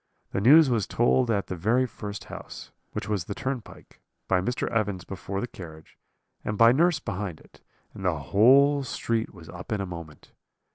The news was told at the very first house, which was the turn pike, by Mr. Evans before the carriage, and by nurse behind it; and the whole street was up in a moment.